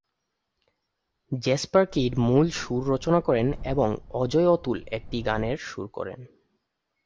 Jesper Kyd মূল সুর রচনা করেন এবং অজয়-অতুল একটি গানের সুর করেন।